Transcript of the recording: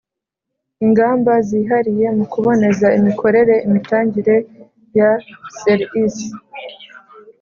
Ingamba zihariye mu kuboneza imikorere imitangire ya ser isi